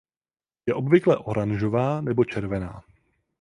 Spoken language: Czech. Je obvykle oranžová nebo červená.